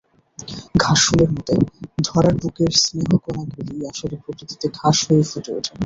ঘাসফুলের মতে, ধরার বুকের স্নেহ-কণাগুলিই আসলে প্রকৃতিতে ঘাস হয়ে ফুটে ওঠে।